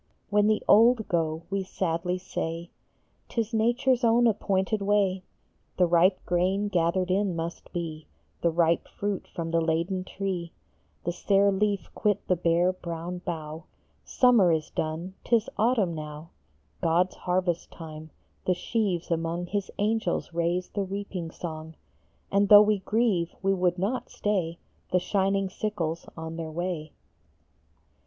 When the old go, we sadly say, T is Nature s own appointed way ; The ripe grain gathered in must be, The ripe fruit from the laden tree, The sear leaf quit the bare, brown bough ; Summer is done, t is autumn now, 62 EARLY TAKEN. God s harvest time ; the sheaves among, His angels raise the reaping song, And though we grieve, we would not stay The shining sickles on their way.